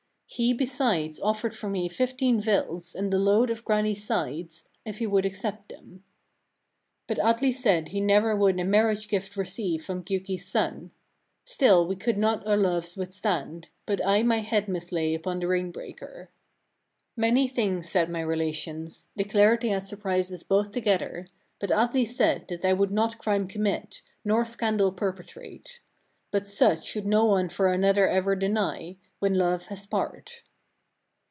He besides offered for me fifteen vills, and the load of Grani's sides, if he would accept them. 23. But Atli said he never would a marriage gift receive from Giuki's son. Still we could not our loves withstand, but I my head must lay upon the ring breaker. 24. Many things said my relations; declared they had surprised us both together; but Atli said, that I would not crime commit, nor scandal perpetrate. But such should no one for another ever deny, when love has part.